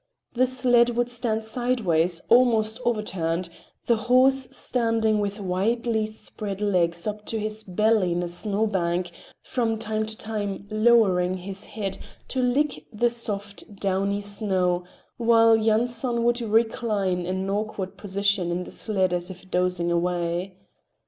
The sled would stand sideways, almost overturned, the horse standing with widely spread legs up to his belly in a snow bank, from time to time lowering his head to lick the soft, downy snow, while Yanson would recline in an awkward position in the sled as if dozing away.